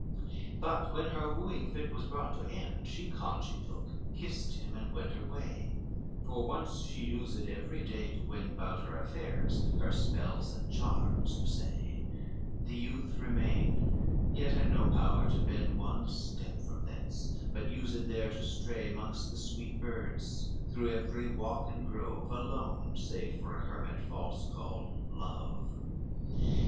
XXVI But when her wooing fit was brought to end, She congee took, kissed him, and went her way; For once she used every day to wend Bout her affairs, her spells and charms to say: The youth remained, yet had no power to bend One step from thence, but used there to stray Mongst the sweet birds, through every walk and grove Alone, save for an hermit false called Love.